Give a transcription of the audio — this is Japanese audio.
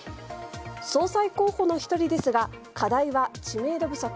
総裁候補の１人ですが課題は知名度不足。